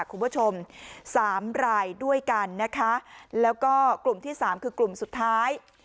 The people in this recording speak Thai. คุณผู้ชมสามรายด้วยกันนะคะแล้วก็กลุ่มที่สามคือกลุ่มสุดท้าย